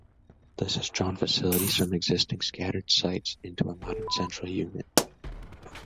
This has drawn facilities from existing scattered sites into a modern central unit.